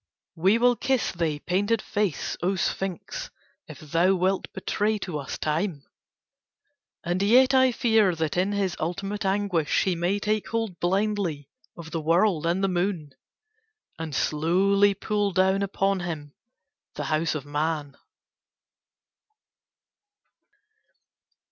We will kiss they painted face, O Sphinx, if thou wilt betray to us Time. And yet I fear that in his ultimate anguish he may take hold blindly of the world and the moon, and slowly pull down upon him the House of Man.